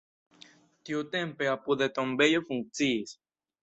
Tiutempe apude tombejo funkciis.